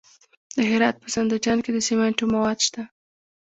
د هرات په زنده جان کې د سمنټو مواد شته.